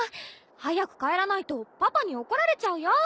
早く帰らないとパパに怒られちゃうよ。